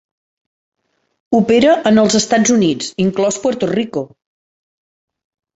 Opera en els Estats Units, inclòs Puerto Rico.